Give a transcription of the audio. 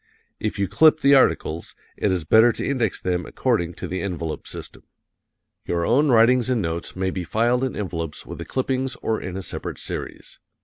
If you clip the articles, it is better to index them according to the envelope system. Your own writings and notes may be filed in envelopes with the clippings or in a separate series.